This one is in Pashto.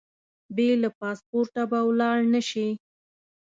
بې له پاسپورټه به ولاړ نه شې.